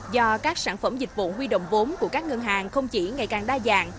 do các sản phẩm dịch vụ huy động vốn của các ngân hàng không chỉ ngày càng đa dạng